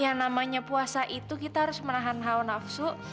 yang namanya puasa itu kita harus menahan hawa nafsu